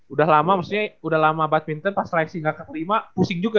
udah lama udah lama badminton pas seleksi gak keterima pusing juga ya